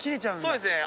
そうですね。